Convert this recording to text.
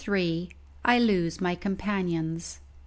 I LOSE MY COMPANIONS.